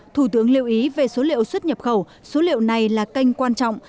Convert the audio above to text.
thủ tướng lưu ý về số liệu xuất nhập khẩu số liệu này là kênh quan trọng